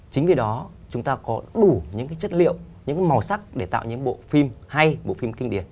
chính vì đó chúng ta có đủ những cái chất liệu những màu sắc để tạo những bộ phim hay bộ phim kinh điển